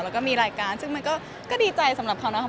แล้วก็มีรายการซึ่งมันก็ดีใจสำหรับเขานะครับ